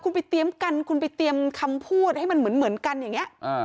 คุณไปเตรียมกันคุณไปเตรียมคำพูดให้มันเหมือนกันอย่างนี้